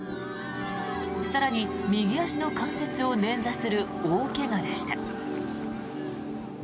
更に、右足の関節を捻挫する大怪我でした。